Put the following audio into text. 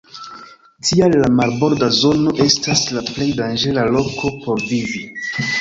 Tial la marborda zono estas la plej danĝera loko por vivi.